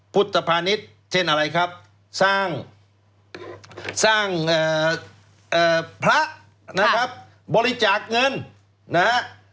พุทธภานิษฐ์เช่นอะไรครับสร้างพระนะครับบริจาคเงินนะฮะ